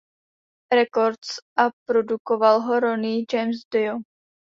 Records a produkoval ho Ronnie James Dio.